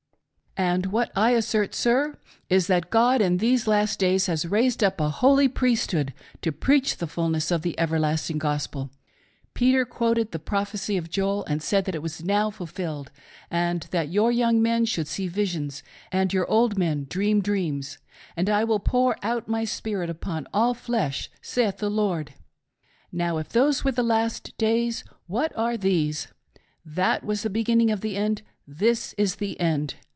M. : And what I assert, sir, is, that God in these last days has raised up a holy priesthood to preach the fulness of the everlasting Gospel. Peter quoted the prophecy of Joel, and said that it was now fulfilled, and that "your young men should see visions, and your old men dream dreams, and I will pour out my Spirit upon all flesh, saith the Lord." Now if those were the last days — what are these? That was the be ginning of the end ; this is the end.